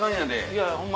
いやホンマ